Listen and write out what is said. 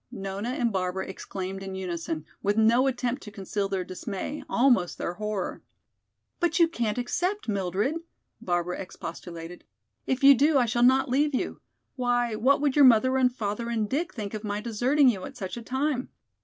Nona and Barbara exclaimed in unison, with no attempt to conceal their dismay, almost their horror. "But you can't accept, Mildred," Barbara expostulated. "If you do I shall not leave you. Why, what would your mother and father and Dick think of my deserting you at such a time?